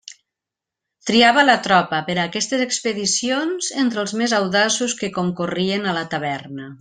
Triava la tropa per a aquestes expedicions entre els més audaços que concorrien a la taverna.